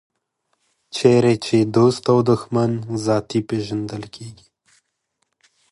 چېرې چې دوست او دښمن ذاتي پېژندل کېږي.